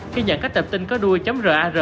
khi nhận các tập tin có đuôi rar